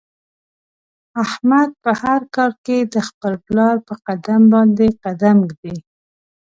احمد په هر کار کې د خپل پلار په قدم باندې قدم ږدي.